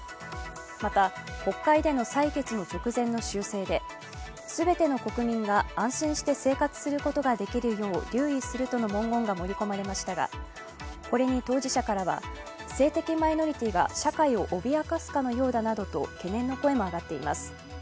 また、国会での採決の直前の修正で全ての国民が安心して生活することができるよう留意するとの文言が盛り込まれましたが、これに当事者からは、性的マイノリティーが社会を脅かすかのようだなどと懸念の声も上がっています。